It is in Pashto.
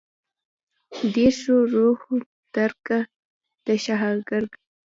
درېښو دروح درګه ، دشاهرګه